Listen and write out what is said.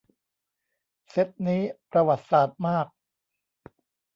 เซตนี้ ประวัติศาสตร์มาก